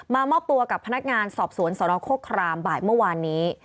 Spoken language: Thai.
มอบตัวกับพนักงานสอบสวนสนโครครามบ่ายเมื่อวานนี้